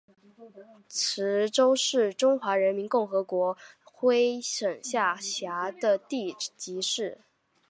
池州市是中华人民共和国安徽省下辖的地级市。